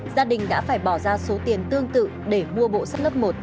gia đình đã phải bỏ ra số tiền tương tự để mua bộ sách lớp một